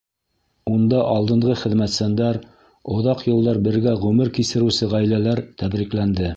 Унда алдынғы хеҙмәтсәндәр, оҙаҡ йылдар бергә ғүмер кисереүсе ғаиләләр тәбрикләнде.